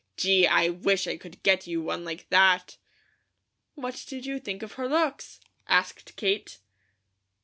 Gee, I wish I could get you one like that!" "What did you think of her looks?" asked Kate.